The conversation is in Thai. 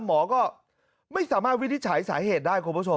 หมอก็ไม่สามารถวินิจฉัยสาเหตุได้คุณผู้ชม